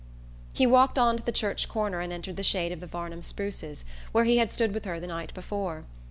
He walked on to the church corner and entered the shade of the Varnum spruces, where he had stood with her the night before.